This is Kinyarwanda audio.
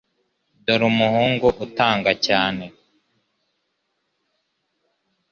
Dore umuhungu utanga cyane,